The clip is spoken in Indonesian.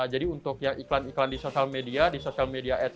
jadi untuk ya iklan iklan di sosial media di sosial media ads